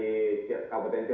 karena beberapa kabupaten kota